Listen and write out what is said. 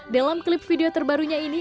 dalam klip video terbarunya ini